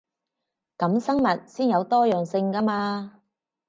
噉生物先有多樣性 𠺢 嘛